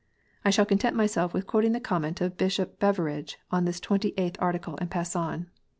I shall content myself 172 KNOTS UNTIED. with quoting the comment of Bishop Beveridge on this Twenty eighth Article, and pass on.